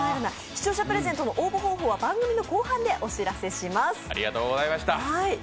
視聴者プレゼントの応募方法は番組の後半でお知らせします。